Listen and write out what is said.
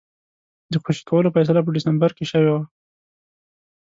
د خوشي کولو فیصله په ډسمبر کې شوې وه.